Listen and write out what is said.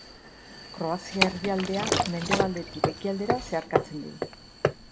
Kroazia erdialdea mendebaldetik ekialdera zeharkatzen du.